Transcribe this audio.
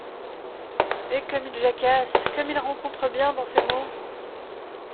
Et comme il jacasse ! comme il rencontre bien dans ses mots !…